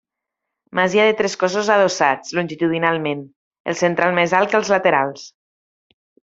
Masia de tres cossos adossats longitudinalment, el central més alt que els laterals.